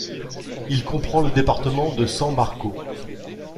Il comprend le département de San Marcos.